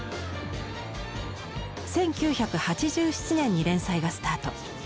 １９８７年に連載がスタート。